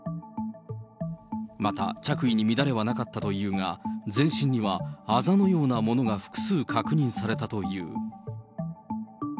また、着衣に乱れはなかったというが、全身にはあざのようなものが複数確認されたという。